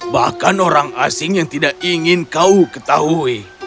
bahkan orang asing yang tidak ingin kau ketahui